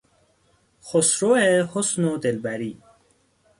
خسرو حسن و دلبری